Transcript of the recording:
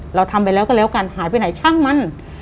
เราทำไปแล้วก็แล้วกันหายไปไหนช่างมัน